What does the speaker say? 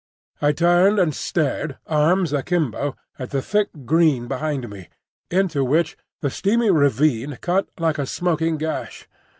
I turned and stared, arms akimbo, at the thick green behind me, into which the steamy ravine cut like a smoking gash.